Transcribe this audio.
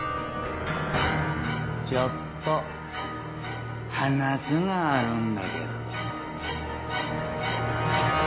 ちょっと話があるんだけど。